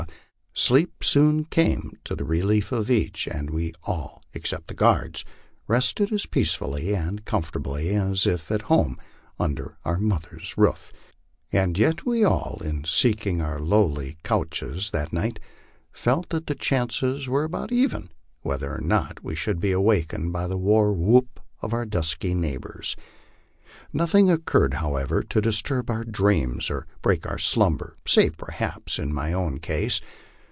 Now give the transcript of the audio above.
sleep soon came to the relief of each, and we all, except the guards, rested as peacefully and comfortably as if at home un der our mother's roof; and yet we all, in seeking our lowly couches that night, felt that the chances were about even whether or not we should be awakened by the war whoop of our dusky neighbors. Nothing occurred, how ever, to disturb our dreams or break our slumber, save, perhaps, in my own case.